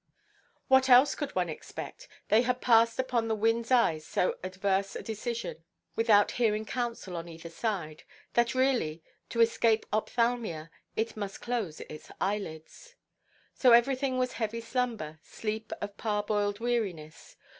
What else could one expect? They had passed upon the windʼs–eyes so adverse a decision—without hearing counsel on either side—that really, to escape ophthalmia, it must close its eyelids. So everything was heavy slumber, sleep of parboiled weariness.